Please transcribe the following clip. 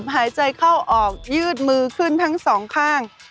หายใจเข้าออกยืดมือขึ้นทั้งสองข้าง